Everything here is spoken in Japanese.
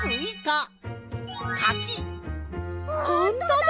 ほんとだ！